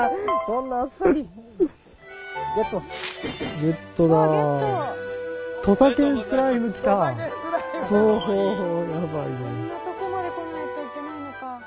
こんなとこまで来ないといけないのか。